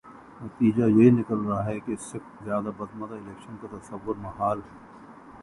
نتیجہ یہ نکل رہا ہے کہ اس سے زیادہ بدمزہ الیکشن کا تصور محال ہے۔